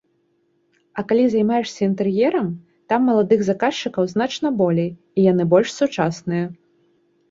А калі займаешся інтэр'ерам, там маладых заказчыкаў значна болей і яны больш сучасныя.